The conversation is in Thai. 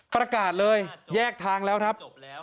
ประกาศเลยแยกทางแล้วครับ